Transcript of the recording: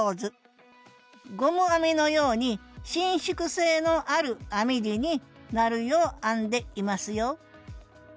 ゴム編みのように伸縮性のある編み地になるよう編んでいますよ